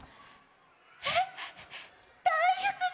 えっだいふくかな？